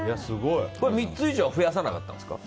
３つ以上は増やさなかったんですか？